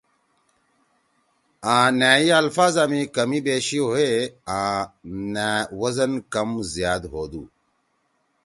آں نأئی الفاظا می کمی بیشی ہوئی آں نأ وزن کم زیاد ہودُو۔